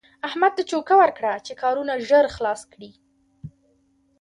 احمد ته چوکه ورکړه چې کارونه ژر خلاص کړي.